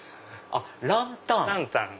あっランタン。